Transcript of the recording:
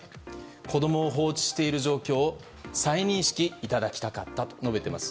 子供を放置している状況を再認識していただきたかったと述べています。